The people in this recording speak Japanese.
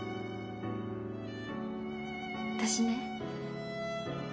私ね。